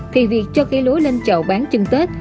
thì việc cho cây lúa lên chậu bán chưng tết